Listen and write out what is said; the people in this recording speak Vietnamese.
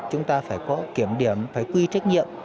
chúng ta phải có kiểm điểm phải quy trách nhiệm